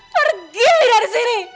pergi dari sini